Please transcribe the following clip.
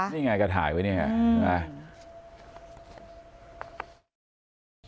นี่ไงก็ถ่ายไว้นี่ไง